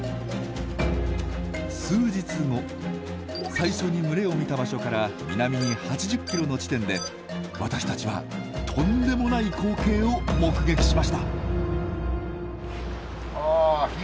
最初に群れを見た場所から南に８０キロの地点で私たちはとんでもない光景を目撃しました。